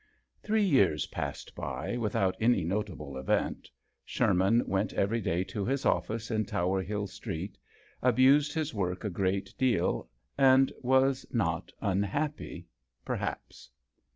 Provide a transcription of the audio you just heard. Three years passed by without any notable event. Sherman went every day to his office in Tower Hill Street, abused his !work a great deal, and was not unhappy perhaps.